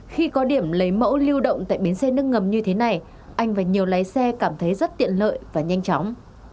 khi có điểm lấy mẫu lưu động tại bến xe nước ngầm như thế này anh và nhiều lái xe cảm thấy rất tiện lợi và nhanh chóng